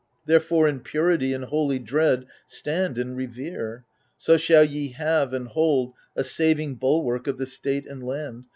Therefore in purity and holy dread Stand and revere ; so shall ye have and hold A saving bulwark of the state and land.